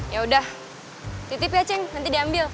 ya udah titip ya ceng nanti diambil